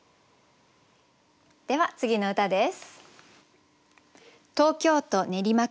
では次の歌です。